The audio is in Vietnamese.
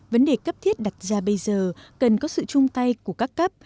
vấn đề cấp thiết đặt ra bây giờ cần có sự chung tay của các cấp